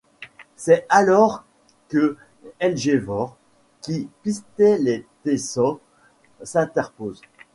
C'est alors que Helgvor, qui pistait les Tsoh, s'interpose.